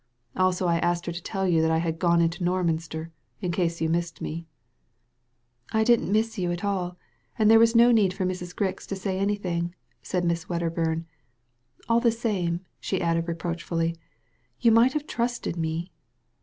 "Also I asked her to tell you that I had gone into Norminster, in case you missed me." " I didn't miss you at all, and there was no need for Mrs. Grix to say anything," said Miss Wedder bum. "All the same," she added reproachfully, "you might have trusted me."